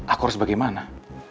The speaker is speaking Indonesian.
aku harus bagaimana